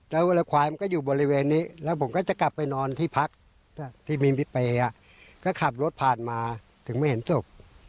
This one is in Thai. แล้วเวลาควายมันก็อยู่บริเวณนี้แล้วผมก็จะกลับไปนอนที่พักที่มีพี่เปย์ก็ขับรถผ่านมาถึงไม่เห็นศพ